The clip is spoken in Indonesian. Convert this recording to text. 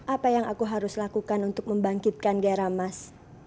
apa yang aku harus lakukan untuk membangkitkan garam mas